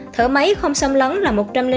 thở máy không xâm lấn là một trăm linh